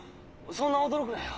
そんな驚くなよ。